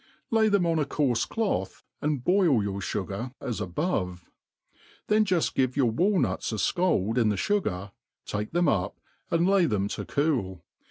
Lay them oh a coarfe cloth, and boil your fugar 2^ above ; then juft give yoor walnuts a fcald in the fugar, take fhem ud, and lay them to cool.